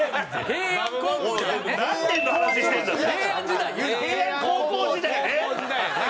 平安高校時代ね！